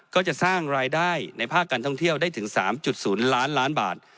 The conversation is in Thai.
ก็จะสร้างรายได้ในภาคการท่องเที่ยวได้ถึง๓๐ล้านล้านบาท